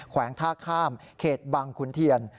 วงท่าข้ามเขตบังขุนเทียน